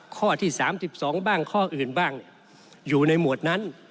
ข้อที่๓๒บ้างข้ออื่นบ้างอยู่ในหมวดนั้น